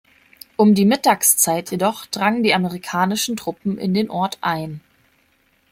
Um die Mittagszeit jedoch drangen die amerikanischen Truppen in den Ort ein.